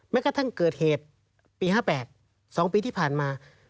กระทั่งเกิดเหตุปี๕๘๒ปีที่ผ่านมา